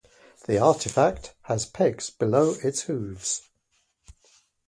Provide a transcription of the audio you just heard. The artifact has pegs below its hooves.